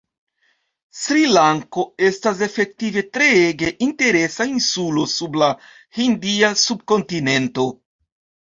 Sri-Lanko estas efektive treege interesa insulo sub la hindia subkontinento.